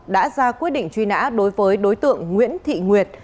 đã ra quyết định truy nã đối với đối tượng nguyễn thị nguyệt